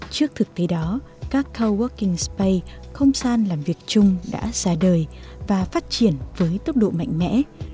trước thực tế đó các coworking space không gian làm việc chung đã ra đời và phát triển với tốc độ mạnh mẽ